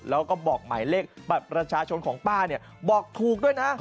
แล้วก็บอกหมายเลขบัตรประชาชนของป้าเนี่ยบอกถูกด้วยนะ